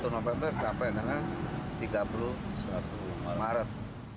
satu november sampai dengan tiga puluh satu maret